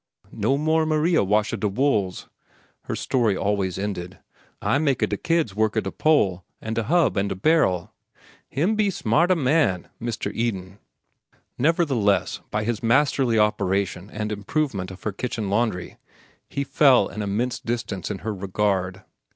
"No more Maria washa da wools," her story always ended. "I maka da kids worka da pole an' da hub an' da barrel. Him da smarta man, Mister Eden." Nevertheless, by his masterly operation and improvement of her kitchen laundry he fell an immense distance in her regard.